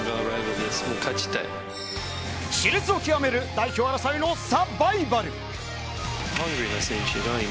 熾烈を極める代表争いのサバイバル。